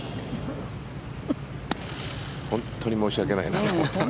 本当に申し訳ないなと思っています。